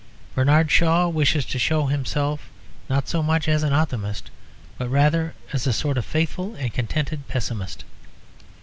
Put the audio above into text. Bernard Shaw wishes to show himself not so much as an optimist, but rather as a sort of faithful and contented pessimist.